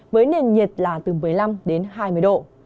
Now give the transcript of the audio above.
với nền nhiệt là từ một mươi năm đến hai mươi độ